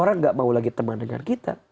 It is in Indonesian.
orang gak mau lagi teman dengan kita